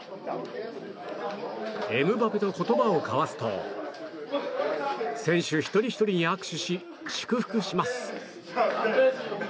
エムバペと言葉を交わすと選手一人ひとりに握手し祝福します。